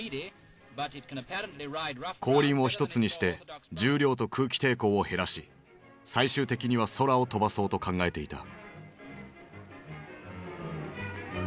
後輪を一つにして重量と空気抵抗を減らし最終的には空を飛ばそうと考えていた。